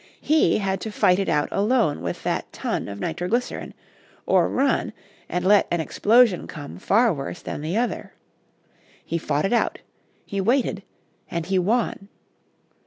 He had to fight it out alone with that ton of nitroglycerin, or run and let an explosion come far worse than the other. He fought it out; he waited, and he won.